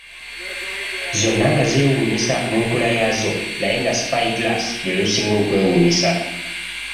Zonna nga zeewuunyisa mu nkula yaazo, naye nga Spy-glass lwe lusinga okwewuunyisa.